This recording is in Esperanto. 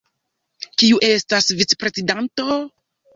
Kiu estas vicprezidanto?